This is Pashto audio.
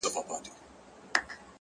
زه يې د ميني په چل څنگه پوه كړم ـ